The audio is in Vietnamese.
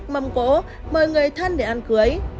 mời người thân để ăn cưới